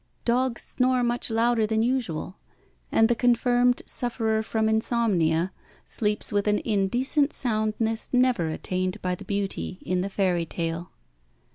Dogs snore much louder than usual, and the confirmed sufferer from insomnia sleeps with an indecent soundness never attained by the beauty in the fairy tale.